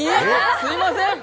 すみません。